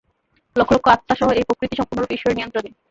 লক্ষ লক্ষ আত্মাসহ এই প্রকৃতি সম্পূর্ণরূপে ঈশ্বরের নিয়ন্ত্রণাধীন।